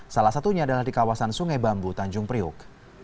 salah satunya adalah di kawasan sungai bambu tanjung priuk